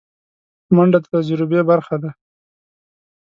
منډه د تجربې برخه ده